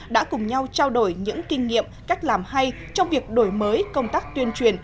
đã cùng nhau trao đổi những kinh nghiệm cách làm hay trong việc đổi mới công tác tuyên truyền